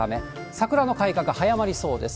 桜の開花が早まりそうです。